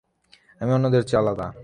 আমি অন্যদের চেয়ে আলাদা।